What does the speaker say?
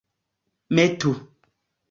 metu